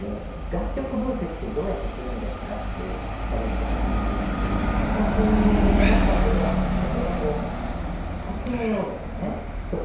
楽曲分析ってどうやってするんですか？って聞かれることがあるんですけれども私の中では例えばこうすべてそういったことを